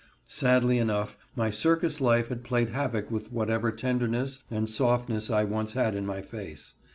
Sadly enough my circus life had played havoc with whatever tenderness and softness I once had in my face.